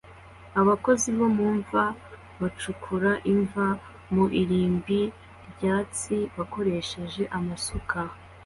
Abakozi bo mu mva bacukura imva mu irimbi ryatsi bakoresheje amasuka